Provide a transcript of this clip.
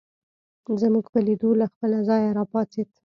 زموږ په لیدو له خپله ځایه راپاڅېد.